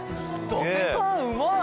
伊達さんマジでうまい！